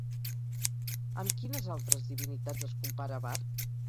Amb quines altres divinitats es compara Vár?